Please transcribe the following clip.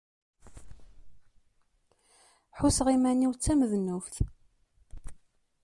Ḥusseɣ iman-iw d tamednubt.